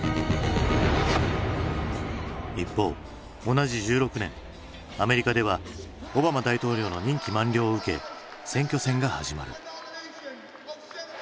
一方同じ１６年アメリカではオバマ大統領の任期満了を受け選挙戦が始まる。